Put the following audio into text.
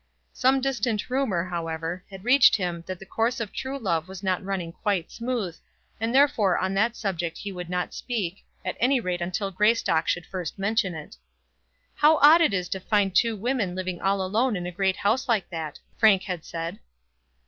Some distant rumour, however, had reached him that the course of true love was not running quite smooth, and therefore on that subject he would not speak, at any rate till Greystock should first mention it. "How odd it is to find two women living all alone in a great house like that," Frank had said.